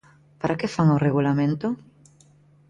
¿Para que fan o Regulamento?